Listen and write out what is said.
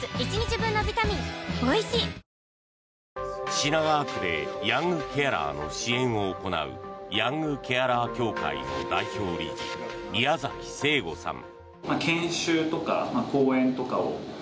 品川区でヤングケアラーの支援を行うヤングケアラー協会の代表理事宮崎成悟さん。